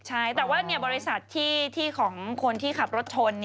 ใช่แต่ว่าบริษัทที่ของคนที่ขับรถชน